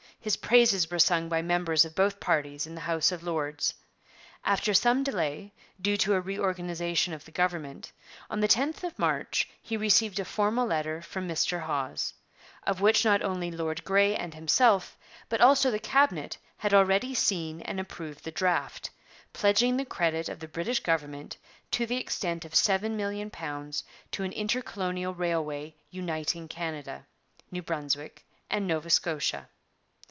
His praises were sung by members of both parties in the House of Lords. After some delay, due to a reorganization of the government, on the 10th of March he received a formal letter from Mr Hawes, of which not only Lord Grey and himself but also the Cabinet had already seen and approved the draft, pledging the credit of the British government to the extent of seven million pounds to an intercolonial railway uniting Canada, New Brunswick, and Nova Scotia.